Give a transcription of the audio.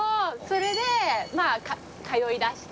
それでまあ通いだして。